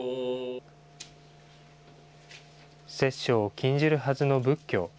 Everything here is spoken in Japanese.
殺生を禁じるはずの仏教。